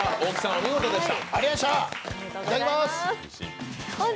お見事でした。